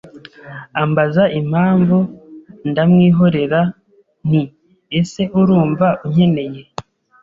ambaza impamvu ndamwihorera nti ese urumva unkeneye